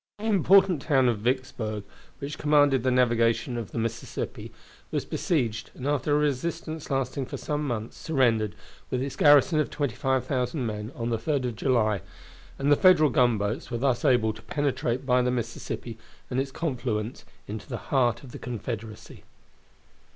The important town of Vicksburg, which commanded the navigation of the Mississippi, was besieged, and after a resistance lasting for some months, surrendered, with its garrison of 25,000 men, on the 3d of July, and the Federal gunboats were thus able to penetrate by the Mississippi and its confluents into the heart of the Confederacy.